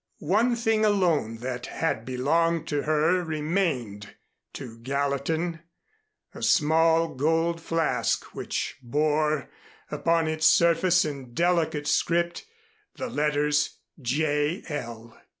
One thing alone that had belonged to her remained to Gallatin a small gold flask which bore, upon its surface in delicate script, the letters J.L.